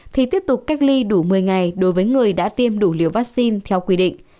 thì tiếp tục cách ly đủ một mươi ngày đối với người đã tiêm đủ liều vaccine theo quy định